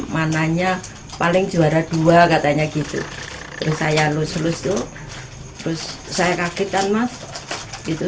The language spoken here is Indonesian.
mananya paling juara dua katanya gitu terus saya lus lusu terus saya kaget kan mas gitu